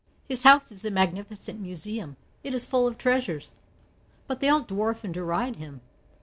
"His house is a magnificent museum. It is full of treasures. But they all dwarf and deride him.